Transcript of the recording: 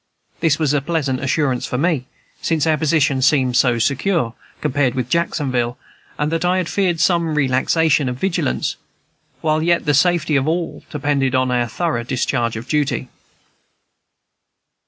This was a pleasant assurance for me; since our position seemed so secure, compared with Jacksonville, that I had feared some relaxation of vigilance, while yet the safety of all depended on our thorough discharge of duty.